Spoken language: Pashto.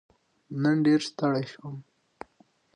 نن ډېر ستړی شوم.